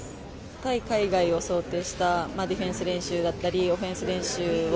対海外を想定したディフェンス練習だったりオフェンス練習を